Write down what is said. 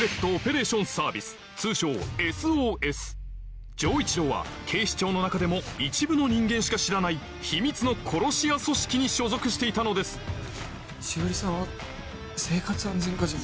通称「ＳＯＳ」丈一郎は警視庁の中でも一部の人間しか知らない秘密の殺し屋組織に所属していたのです詩織さんは生活安全課じゃ。